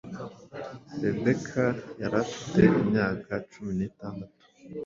rebecca yari afite imyaka cumi nitandatu